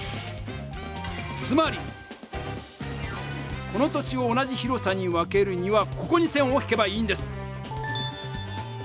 つまりこの土地を同じ広さに分けるにはここに線を引けばいいんです。